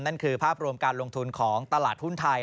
นั่นคือภาพรวมการลงทุนของตลาดหุ้นไทย